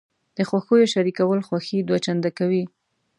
د خوښیو شریکول خوښي دوه چنده کوي.